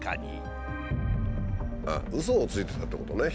うそをついてたってことね